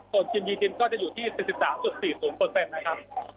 ส่วนทีมยีทีมก็จะอยู่ที่สิบสิบสามสุดสี่สูงเปอร์เซ็นต์นะครับ